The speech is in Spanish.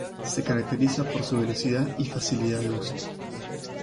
Se caracteriza por su velocidad y facilidad de uso.